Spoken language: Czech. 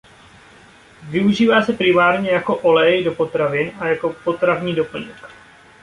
Využívá se primárně jako olej do potravin a jako potravní doplněk.